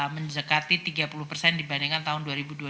menjekati tiga puluh dibandingkan tahun dua ribu dua puluh dua